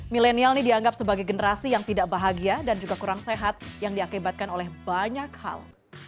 milenial ini dianggap sebagai generasi yang tidak bahagia dan juga kurang sehat yang diakibatkan oleh banyak hal